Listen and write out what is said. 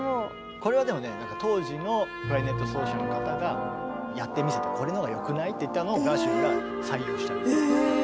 これはでもね当時のクラリネット奏者の方がやってみせてこれのほうがよくない？って言ったのをガーシュウィンが採用したみたい。